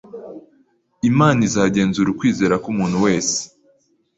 Imana izagenzura ukwizera k’umuntu wese.